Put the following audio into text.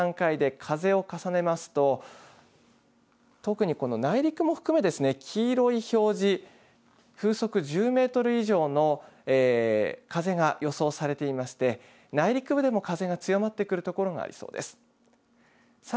そして、正午の段階で風を重ねますと特にこの内陸も含めですね、黄色い表示風速１０メートル以上の風が予想されていまして内陸部でも風が強まってくるところがありそうです。